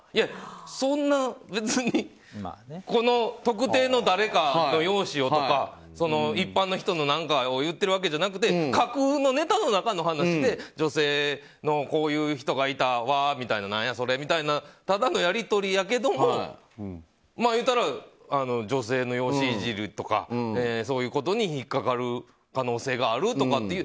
そんな、別にこの特定の誰かの容姿をとか一般の人の何かを言っているわけじゃなくて架空のネタの中の話で女性のこういう人がいたわーみたいな、何やそれみたいなただのやり取りやけど言うたら、女性の容姿いじりとかそういうことに引っかかる可能性があるとかっていう。